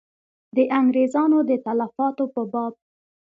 د انګرېزیانو د تلفاتو په باب.